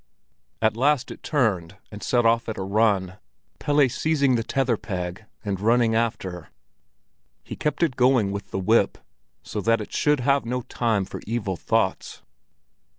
At last it turned and set off at a run, Pelle seizing the tether peg and running after. He kept it going with the whip, so that it should have no time for evil thoughts.